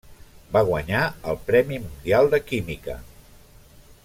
Va guanyar el Premi Mundial de Química.